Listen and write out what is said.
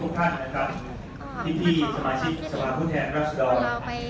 ทุกท่านนะครับที่ที่สมาชิกสมาคุณแทนรับชิดองค์